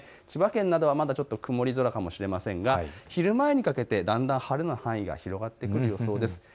千葉県などはちょっと曇り空かもしれませんが昼前にかけてだんだん晴れの範囲が広がってくる予想です。